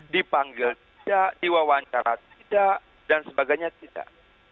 dipanggil tidak diwawancara tidak dan sebagainya tidak